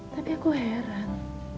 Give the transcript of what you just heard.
tapi aku heran